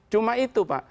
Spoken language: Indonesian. cuma itu pak